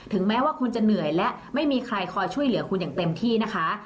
แม้ว่าคุณจะเหนื่อยและไม่มีใครคอยช่วยเหลือคุณอย่างเต็มที่นะคะ